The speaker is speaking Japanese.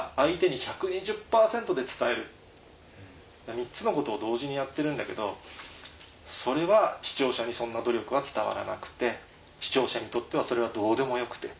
３つのことを同時にやってるんだけどそれは視聴者にそんな努力は伝わらなくて視聴者にとってはそれはどうでもよくて。